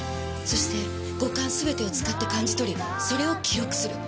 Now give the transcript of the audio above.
そして五感すべてを使って感じ取りそれを記録する。